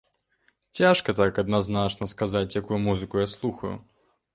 Цяжка так адназначна сказаць, якую музыку я слухаю.